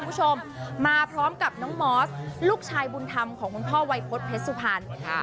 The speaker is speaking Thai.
คุณผู้ชมมาพร้อมกับน้องมอสลูกชายบุญธรรมของคุณพ่อวัยพฤษเพชรสุพรรณ